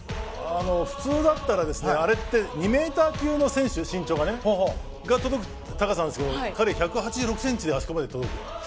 普通だったら、あれって身長２ｍ級の選手が届く高さなんですけど彼は１８６ｃｍであそこまで届く。